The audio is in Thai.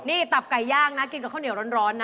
นี่ตับไก่ย่างนะกินกับข้าวเหนียวร้อนนะ